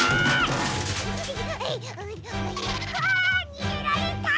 にげられた！